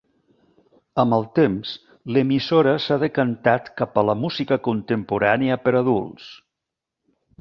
Amb el temps, l'emissora s'ha decantat cap al música contemporània per a adults.